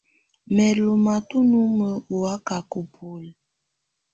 Mɛ̀ lɔ̀ matɔ̀á numǝ́ ɔ̀ wakaka ù bùóli.